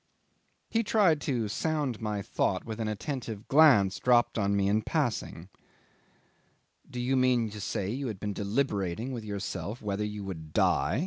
'He tried to sound my thought with an attentive glance dropped on me in passing. "Do you mean to say you had been deliberating with yourself whether you would die?"